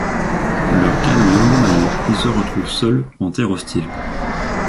Leur canoë endommagé, ils se retrouvent seuls en terre hostile...